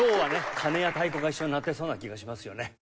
鐘や太鼓が一緒に鳴ってそうな気がしますよね。